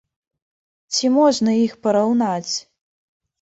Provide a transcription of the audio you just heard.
Ці можна іх параўнаць?